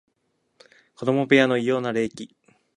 子供部屋の異様な冷気